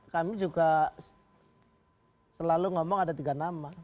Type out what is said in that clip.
kami juga selalu ngomong ada tiga nama